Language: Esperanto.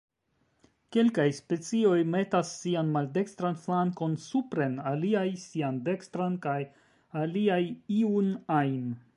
Kelkaj specioj metas sian maldekstran flankon supren, aliaj sian dekstran kaj aliaj iun ajn.